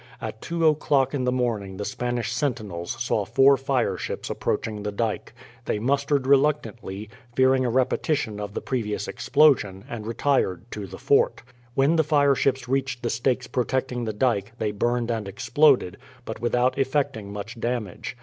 At two o'clock in the morning the Spanish sentinels saw four fireships approaching the dyke. They mustered reluctantly, fearing a repetition of the previous explosion, and retired to the fort. When the fireships reached the stakes protecting the dyke, they burned and exploded, but without effecting much damage.